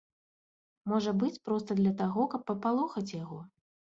Можа быць, проста для таго, каб папалохаць яго.